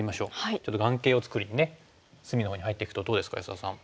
ちょっと眼形を作りにね隅のほうに入っていくとどうですか安田さん。